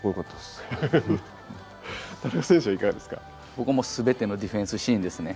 僕はもう全てのディフェンスシーンですね。